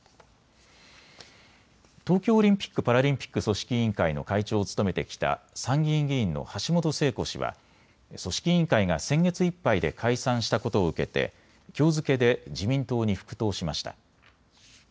東京オリンピック・パラリンピック組織委員会の会長を務めてきた参議院議員の橋本聖子氏は組織委員会が先月いっぱいで解散したことを受けてきょう付けで自民党に復党しました。